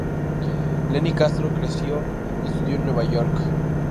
Lenny Castro creció y estudió en Nueva York.